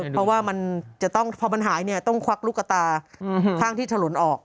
เพราะว่าพอมันหายเนี่ยต้องควักลูกกระตาข้างที่ถลนออก